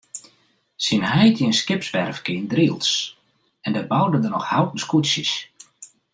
Syn heit hie in skipswerfke yn Drylts en dêr boude er noch houten skûtsjes.